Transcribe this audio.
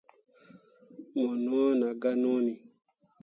Mo no maa ganoni.